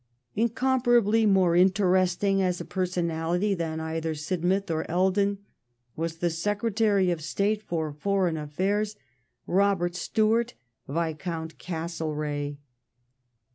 Incomparably more interesting as a pei*sonality than either Sidmouth or Eldon was the Secretary of State for Foreign affaire — Robert Stewart, Viscount Castlereagh.